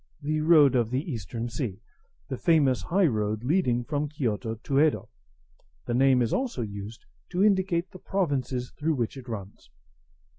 [The road of the Eastern Sea, the famous highroad leading from Kiyoto to Yedo. The name is also used to indicate the provinces through which it runs.